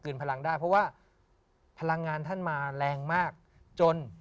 พลังได้เพราะว่าพลังงานท่านมาแรงมากจน